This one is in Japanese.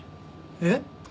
えっ？